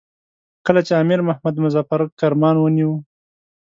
کله چې امیر محمد مظفر کرمان ونیوی.